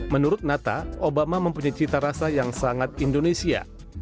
menurut nata obama mempunyai cita rasa yang sangat indonesia